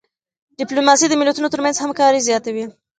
ډيپلوماسي د ملتونو ترمنځ همکاري زیاتوي.